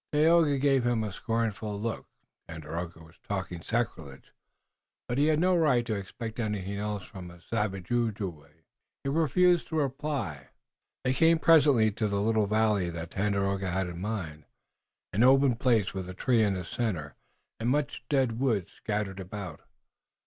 Tayoga gave him a scornful look. Tandakora was talking sacrilege, but he had no right to expect anything else from a savage Ojibway. He refused to reply. They came presently to the little valley that Tandakora had in mind, an open place, with a tree in the center, and much dead wood scattered about.